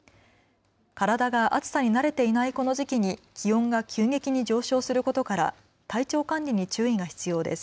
体が暑さに慣れていないこの時期に気温が急激に上昇することから体調管理に注意が必要です。